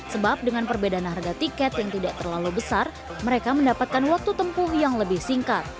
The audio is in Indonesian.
sebab dengan perbedaan harga tiket yang tidak terlalu besar mereka mendapatkan waktu tempuh yang lebih singkat